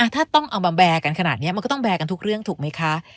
ถ้าต้องเอามาแบร์กันขนาดนี้มันก็ต้องแบร์กันทุกเรื่องถูกไหมคะ